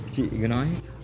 chị cứ nói ấy